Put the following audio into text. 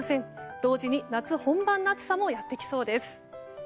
同時に夏本番の暑さもやってきそうです。